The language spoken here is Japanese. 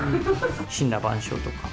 森羅万象とか。